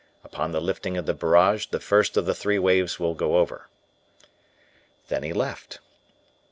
Upon the lifting of the barrage, the first of the three waves will go over." Then he left.